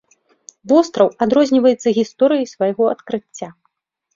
Востраў адрозніваецца гісторыяй свайго адкрыцця.